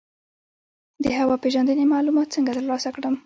د هوا پیژندنې معلومات څنګه ترلاسه کړم؟